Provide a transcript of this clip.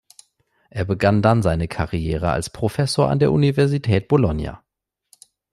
Er begann dann seine Karriere als Professor an der Universität Bologna.